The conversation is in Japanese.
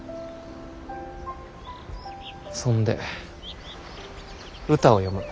そんで歌を詠む。